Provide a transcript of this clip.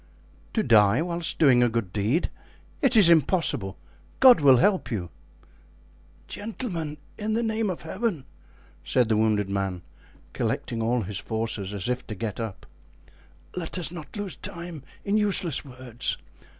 "To die whilst doing a good deed! It is impossible. God will help you." "Gentlemen, in the name of Heaven!" said the wounded man, collecting all his forces, as if to get up, "let us not lose time in useless words.